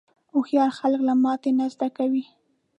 هوښیار خلک له ماتې نه زده کوي.